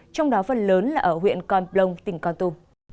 trong đó phần lớn là ở huyện con plong tỉnh con tum